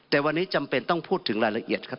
แต่วันนี้จำเป็นต้องพูดถึงรายละเอียดครับ